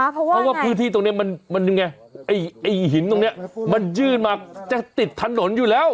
เพราะว่าพื้นที่ตรงนี้มันยังไงไอ้หินตรงนี้มันยื่นมาจะติดถนนอยู่แล้ว